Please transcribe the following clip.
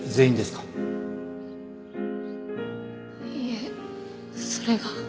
いえそれが。